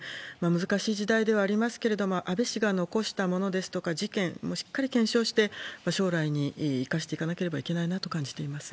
難しい時代ではありますけれども、安倍氏が残したものですとか事件をしっかり検証して、将来に生かしていかなければいけないなと感じています。